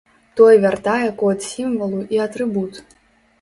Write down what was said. Той вяртае код сімвалу і атрыбут.